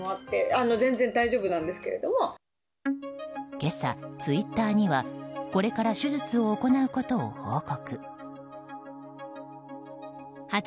今朝、ツイッターにはこれから手術を行うことを報告。